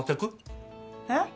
えっ？